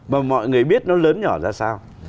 mà mọi người biết nó lớn nhỏ ra sao